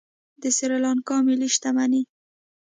د سریلانکا ملي شتمني